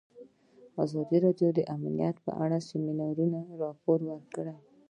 ازادي راډیو د امنیت په اړه د سیمینارونو راپورونه ورکړي.